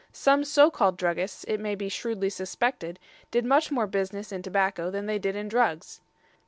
Some so called druggists, it may be shrewdly suspected, did much more business in tobacco than they did in drugs.